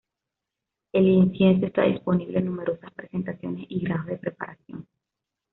El incienso está disponible en numerosas presentaciones y grados de preparación.